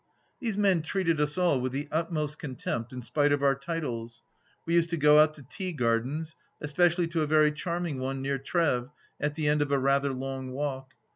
These men treated us all with the utmost contempt, in spite of our titles. We used to go out to tea gardens, especi ally to a very charming one near Treves at the end of a rather long walk.